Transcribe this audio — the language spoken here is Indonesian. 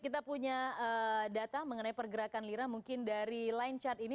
kita punya data mengenai pergerakan lira mungkin dari line chart ini